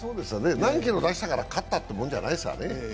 何キロ出したから勝ったってもんじゃないですよね。